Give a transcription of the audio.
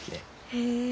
へえ。